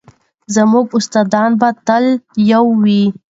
زموږ دوستان به تل یو وي.